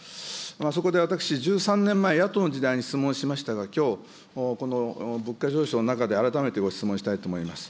そこで私、１３年前、野党の時代に質問しましたが、きょう、この物価上昇の中で改めてご質問したいと思います。